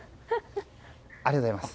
ありがとうございます。